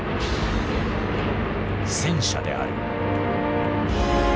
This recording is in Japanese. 戦車である。